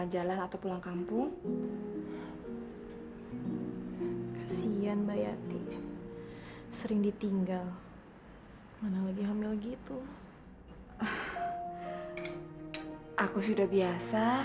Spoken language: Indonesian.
jangan pergi dalam keadaan marah mas